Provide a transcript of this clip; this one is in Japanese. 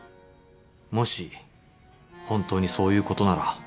もし本当にそういうことなら。